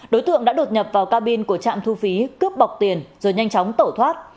đối tượng đã đột nhập vào cabin của trạm thu phí cướp bọc tiền rồi nhanh chóng tẩu thoát